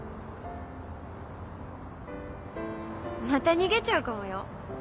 また逃げちゃうかもよ。